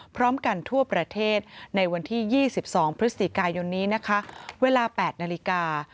พร้อมกันทั่วประเทศในวันที่๒๒พฤศจิกายนนี้นะคะเวลา๘นาฬิกา